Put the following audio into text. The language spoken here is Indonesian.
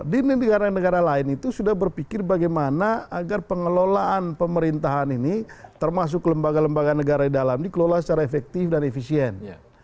di negara negara lain itu sudah berpikir bagaimana agar pengelolaan pemerintahan ini termasuk lembaga lembaga negara di dalam dikelola secara efektif dan efisien